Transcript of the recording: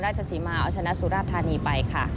ราชสีมหาวชนะสุราธานีไปค่ะ